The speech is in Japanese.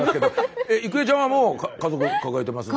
郁恵ちゃんはもう家族抱えてますので。